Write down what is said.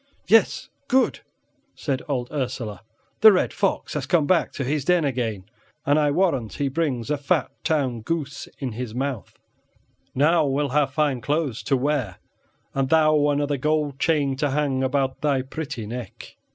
"Yes, good," said old Ursela; "the red fox has come back to his den again, and I warrant he brings a fat town goose in his mouth; now we'll have fine clothes to wear, and thou another gold chain to hang about thy pretty neck."